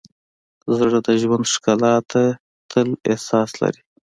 زړه د ژوند ښکلا ته تل احساس لري.